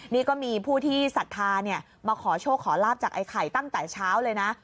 นี่ก็มีผู้ที่ศรัทธามาขอโชคขอลาบจากไอ้ไข่ตั้งแต่เช้าเลยนะ